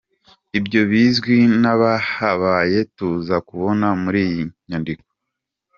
Ibyo bizwi n’abahabaye tuza kubona muri iyi nyandiko.